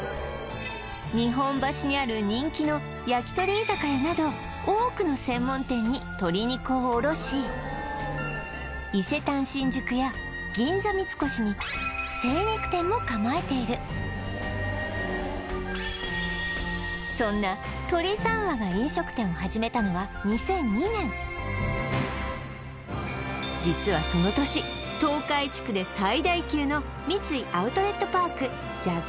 日本橋にある人気の焼き鳥居酒屋など多くの伊勢丹新宿や銀座三越に精肉店も構えているそんな鶏三和が飲食店を始めたのは２００２年実はその年東海地区で最大級の三井アウトレットパークジャズ